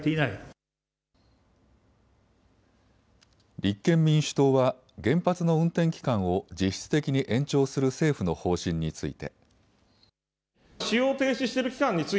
立憲民主党は原発の運転期間を実質的に延長する政府の方針について。